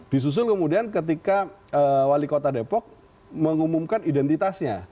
disusul kemudian ketika wali kota depok mengumumkan identitasnya